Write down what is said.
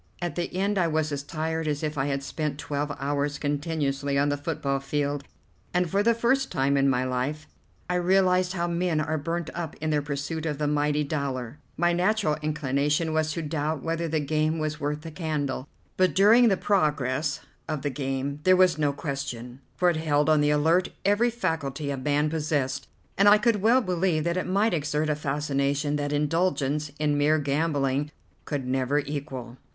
At the end I was as tired as if I had spent twelve hours continuously on the football field, and for the first time in my life I realized how men are burnt up in their pursuit of the mighty dollar. My natural inclination was to doubt whether the game was worth the candle, but during the progress of the game there was no question, for it held on the alert every faculty a man possessed, and I could well believe that it might exert a fascination that indulgence in mere gambling could never equal.